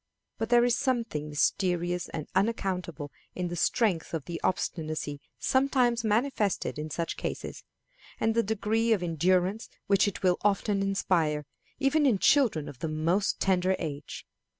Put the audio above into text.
But there is something mysterious and unaccountable in the strength of the obstinacy sometimes manifested in such cases, and the degree of endurance which it will often inspire, even in children of the most tender age.